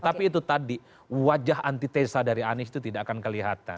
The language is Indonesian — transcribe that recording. tapi itu tadi wajah anti tesa dari anies itu tidak akan keliling